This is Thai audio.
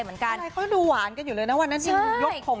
เหมือนกันเขาดูหวานกันอยู่เลยนะวันนั้นยังยกผม